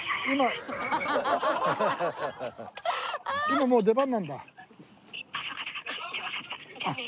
今もう出番なんだ。